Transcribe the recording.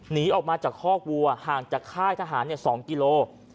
หนีออกมาจากคอกวัวห่างจากค่ายทหาร๒กิโล